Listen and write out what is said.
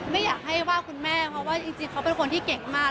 ไม่อยากให้ว่าคุณแม่เพราะว่าจริงเขาเป็นคนที่เก่งมาก